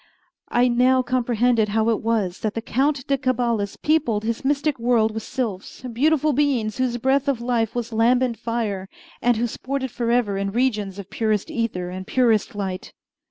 I now comprehended how it was that the Count de Cabalis peopled his mystic world with sylphs beautiful beings whose breath of life was lambent fire, and who sported forever in regions of purest ether and purest light.